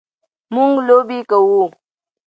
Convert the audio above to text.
مونږ لوبې کوو